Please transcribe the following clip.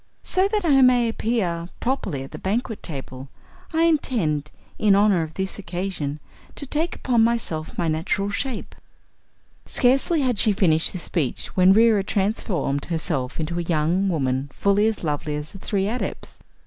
So that I may appear properly at the banquet table I intend, in honor of this occasion, to take upon myself my natural shape." Scarcely had she finished this speech when Reera transformed herself into a young woman fully as lovely as the three Adepts.